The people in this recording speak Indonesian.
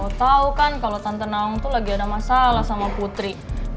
emang lo tau kan kalo tante naung tuh lagi ada masalah sama putri